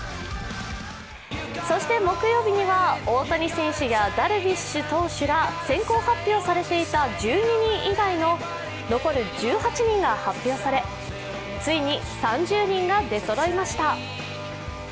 そして木曜日には大谷選手やダルビッシュ投手ら先行発表されていた１２人以外の残る１８人が発表され、ついに３０人が出そろいました。